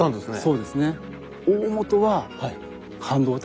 そうですね。